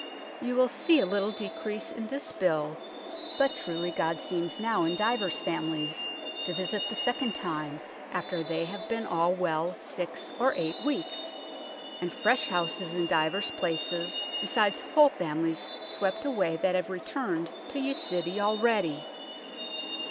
You will see a little decrease in this bill, but truly God seemes now in divers familys to visit the 2nd time, after they have beene all well 6 or 8 weekes ; and fresh houses in divers places, besides whole familys, swept away that have returned to ye City allready."